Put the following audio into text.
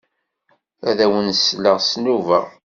Ad awen-sleɣ s nnuba.